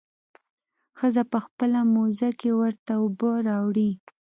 ښځه په خپله موزه کښې ورته اوبه راوړي.